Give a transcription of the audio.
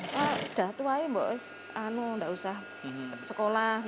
ya sudah tua tidak usah sekolah